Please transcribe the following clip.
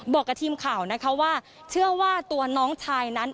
บอกกับทีมข่าวนะคะว่าเชื่อว่าตัวน้องชายนั้น